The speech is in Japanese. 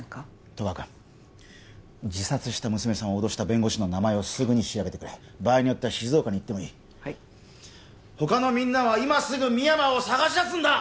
戸川君自殺した娘さんを脅した弁護士の名前をすぐに調べてくれ場合によっては静岡に行ってもいい他のみんなは今すぐ深山を捜し出すんだ！